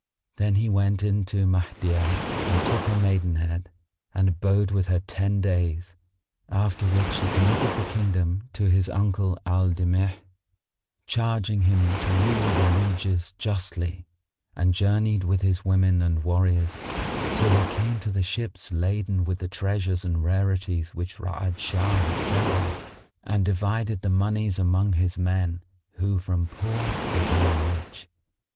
Then he went in to Mahdiyah and took her maidenhead and abode with her ten days; after which he committed the kingdom to his uncle Al Damigh, charging him to rule the lieges justly, and journeyed with his women and warriors, till he came to the ships laden with the treasures and rarities which Ra'ad Shah had sent him, and divided the monies among his men who from poor became rich.